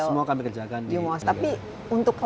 semua kami kerjakan di bengkel